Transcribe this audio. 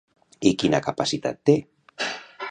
I quina capacitat té?